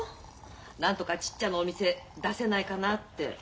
何とかちっちゃなお店出せないかなって。